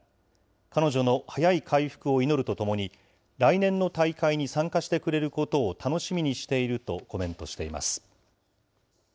彼女の早い回復を祈るとともに、来年の大会に参加してくれることを楽しみにしているとコメントしています。